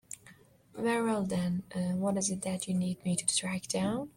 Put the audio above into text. Very well then, what is it that you need me to track down?